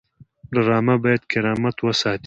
ډرامه باید کرامت وساتي